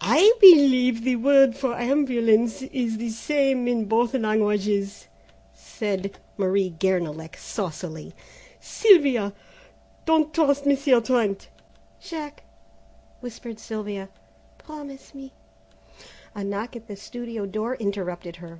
"I believe the word for ambulance is the same in both languages," said Marie Guernalec saucily; "Sylvia, don't trust Monsieur Trent." "Jack," whispered Sylvia, "promise me " A knock at the studio door interrupted her.